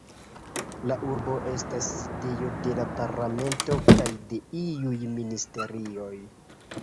La urbo estas sidejo de la parlamento kaj de iuj ministerioj.